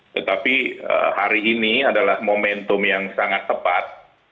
tetapi hari ini adalah momentum yang sangat tepat